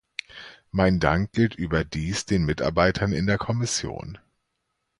Mein Dank gilt überdies den Mitarbeitern in der Kommission.